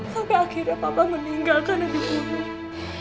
sampai akhirnya papa meninggalkan abik kamu